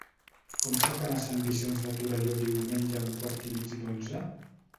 Com puc anar a Sant Vicenç de Torelló diumenge a un quart i mig d'onze?